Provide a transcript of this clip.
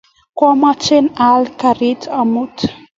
Kwamache aal karit amut